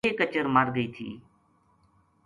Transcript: چھ کچر مر گئی تھی